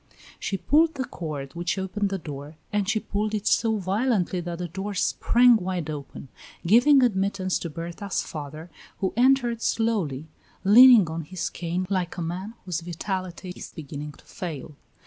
She pulled the cord which opened the door, and she pulled it so violently that the door sprang wide open, giving admittance to Berta's father, who entered slowly, leaning on his cane like a man whose vitality is beginning to fail.